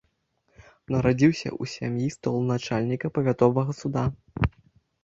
Нарадзіўся ў сям'і столаначальніка павятовага суда.